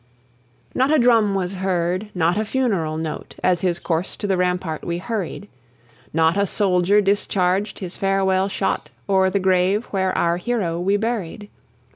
(1791 1823.) Not a drum was heard, not a funeral note, As his corse to the rampart we hurried; Not a soldier discharged his farewell shot O'er the grave where our hero we buried.